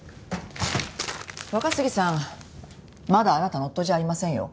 若杉さんまだあなたの夫じゃありませんよ。